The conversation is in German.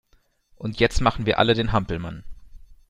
Und jetzt machen wir alle den Hampelmann!